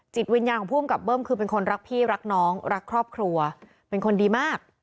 จิตวิญญาณของภูมิกับเบิ้มคือเป็นคนรักพี่รักน้องรักครอบครัวเป็นคนดีมาก